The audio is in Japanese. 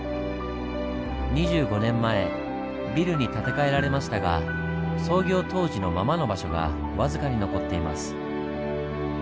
２５年前ビルに建て替えられましたが創業当時のままの場所が僅かに残っています。